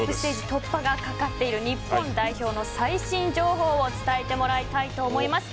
突破がかかっている日本代表の最新情報を伝えてもらいたいと思います。